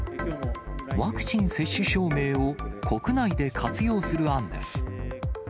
ワクチン接種証明を国内で活用する案です。